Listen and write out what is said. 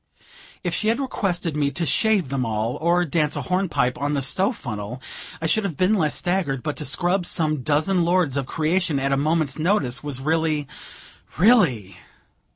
If she had requested me to shave them all, or dance a hornpipe on the stove funnel, I should have been less staggered; but to scrub some dozen lords of creation at a moment's notice, was really really